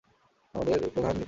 আমাদের মহান নেত্রী।